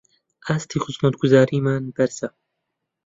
ئاستی خزمەتگوزاریمان بەرزە